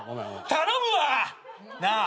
頼むわなあ！